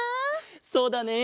そうだね。